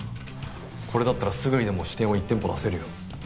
これだったらすぐにでも支店を１店舗出せるよ。